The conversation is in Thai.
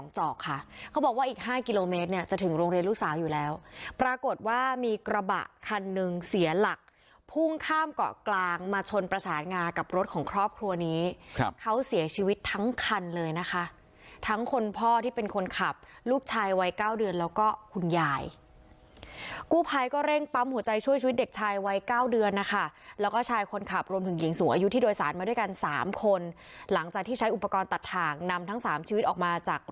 จากพุ่งข้ามเกาะกลางมาชนประสานงากับรถของครอบครัวนี้เขาเสียชีวิตทั้งคันเลยนะคะทั้งคนพ่อที่เป็นคนขับลูกชายวัยเก้าเดือนแล้วก็คุณยายกู้ภัยก็เร่งปั๊มหัวใจช่วยชีวิตเด็กชายวัยเก้าเดือนนะคะแล้วก็ชายคนขับรวมถึงหญิงสูงอายุที่โดยสารมาด้วยกันสามคนหลังจากที่ใช้อุปกรณ์ตัดทางนำทั้งสามชีวิตออก